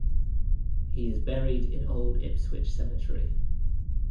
He is buried in Old Ipswich Cemetery.